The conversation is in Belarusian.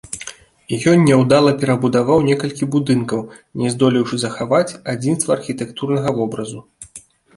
Ён няўдала перабудаваў некалькі будынкаў, не здолеўшы захаваць адзінства архітэктурнага вобразу.